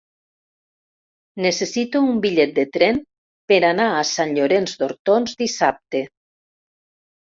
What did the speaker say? Necessito un bitllet de tren per anar a Sant Llorenç d'Hortons dissabte.